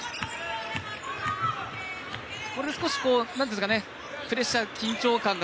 これで、プレッシャー、緊張感が